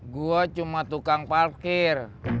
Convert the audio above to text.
gue cuma tukang parkir